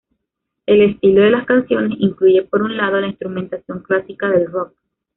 El estilo de las canciones incluye, por un lado, la instrumentación clásica del rock.